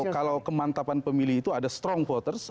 kalau kemantapan pemilih itu ada strong voters